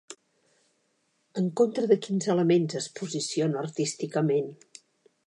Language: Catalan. En contra de quins elements es posiciona artísticament?